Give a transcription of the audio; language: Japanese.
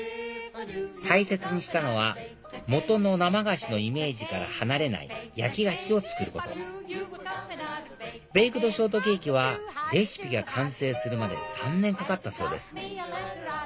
大切にしたのは基の生菓子のイメージから離れない焼き菓子を作ることベイクドショートケーキはレシピが完成するまで３年かかったそうです